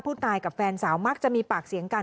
กับแฟนสาวมักจะมีปากเสียงกัน